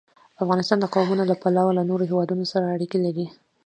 افغانستان د قومونه له پلوه له نورو هېوادونو سره اړیکې لري.